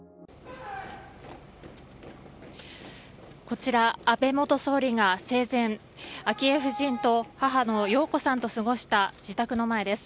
こちら、安倍元総理が生前、昭恵夫人と母の洋子さんと過ごした自宅の前です。